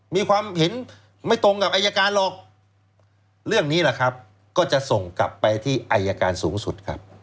มีความเห็นไม่ตรงกับอายการหรอกเรื่องนี้แหละครับก็จะส่งกลับไปที่อายการสูงสุดครับ